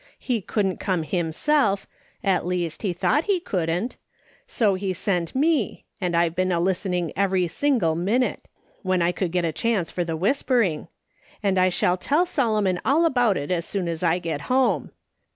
He couldn't come himself — at least, he thought he couldn't — so he sent me, and I've been a listening every single minute — when I could get a chance for the whisper ing — and I shall tell Solomon all about it as soon as I get home.